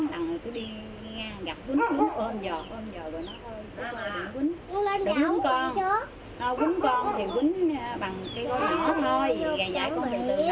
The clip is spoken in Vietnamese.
hôm giờ rồi nói thôi đừng quýnh con quýnh con thì quýnh bằng cây gói đỏ thôi gà dài con thì từ đầu đến cuối